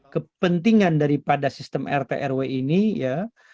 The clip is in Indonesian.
kepentingan daripada sistem rt rw ini ya